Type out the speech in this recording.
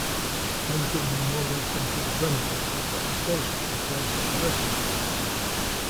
When the Memorial Centre was renovated, the stage was replaced with a restaurant.